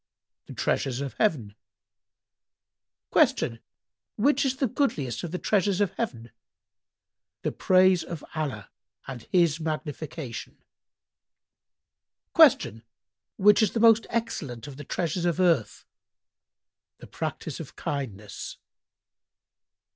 "—"The treasures of heaven." Q "Which is the goodliest of the treasures of Heaven?"—"The praise of Allah and His magnification." Q "Which is the most excellent of the treasures of earth?"—"The practice of kindness."